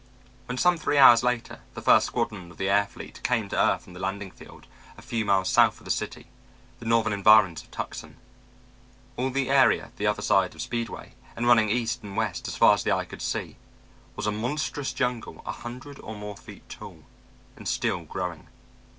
When some three hours later the first squadron of the air fleet came to earth on the landing field a few miles south of the city, the northern environs of Tucson, all the area the other side of Speedway, and running east and west as far as the eye could see, was a monstrous jungle a hundred or more feet tall and still growing.